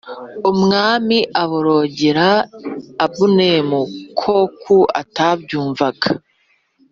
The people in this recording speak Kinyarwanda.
Umwami aborogera Abuneri koku atabyumvaga